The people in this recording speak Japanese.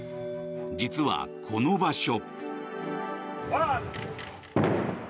実はこの場所。